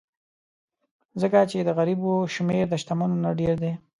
ځکه چې د غریبو شمېر د شتمنو نه ډېر دی.